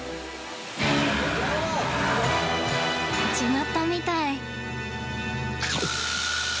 違ったみたい。